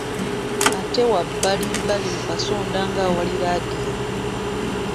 Ate wabbalibbali mu kasonda nga we wali laadiyo.